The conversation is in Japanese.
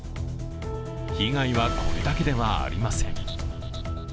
被害はこれだけではありません。